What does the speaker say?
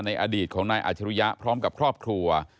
อดีตของนายอาชิริยะพร้อมกับครอบครัว